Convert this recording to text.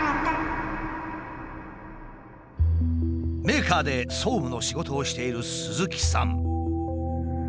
メーカーで総務の仕事をしている鈴木さん。